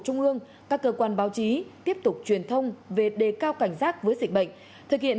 trung ương các cơ quan báo chí tiếp tục truyền thông về đề cao cảnh giác với dịch bệnh thực hiện